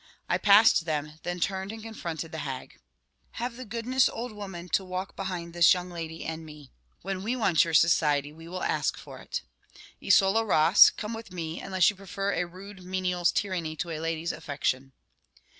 I passed them; then turned and confronted the hag. "Have the goodness, old woman, to walk behind this young lady and me. When we want your society, we will ask for it. Isola Ross, come with me, unless you prefer a rude menial's tyranny to a lady's affection."